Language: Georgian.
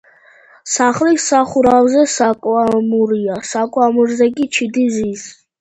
სახლის სახურავზე საკვამურია, სკვამურზე კი ჩიტი ზის.